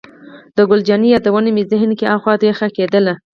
د ګل جانې یادونه مې ذهن کې اخوا دېخوا کېدل.